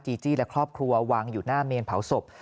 จี้และครอบครัววางอยู่หน้าเมนเผาศพ